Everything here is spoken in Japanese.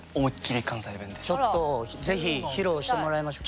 もうちょっとぜひ披露してもらいましょう。